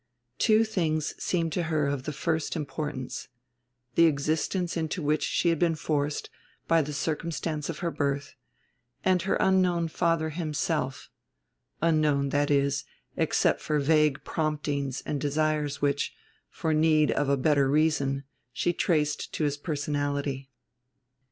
Two things seemed to her of the first importance the existence into which she had been forced by the circumstance of her birth, and her unknown father himself: unknown, that is, except for vague promptings and desires which, for need of a better reason, she traced to his personality.